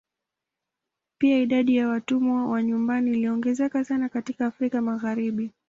Pia idadi ya watumwa wa nyumbani iliongezeka sana katika Afrika Magharibi.